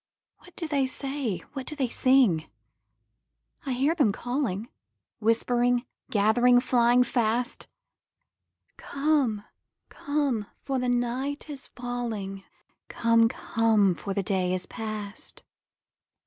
What do they say? What do they sing? I hear them calling, Whispering, gathering, flying fast, 'Come, come, for the night is falling; Come, come, for the day is past!'